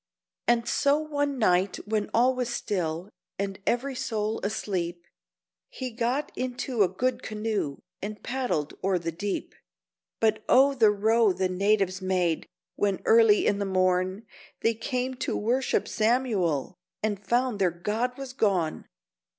And so one night when all was still and every soul asleep, He got into a good canoe and paddled o'er the deep, But oh the row the natives made, when early in the morn They came to worship Samuel, and found their god was gone!